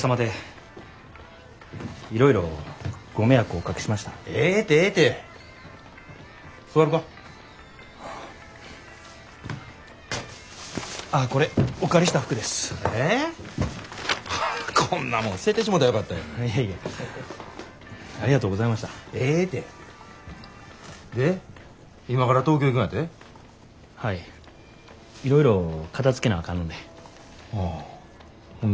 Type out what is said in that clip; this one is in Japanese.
いろいろ片づけなあかんので。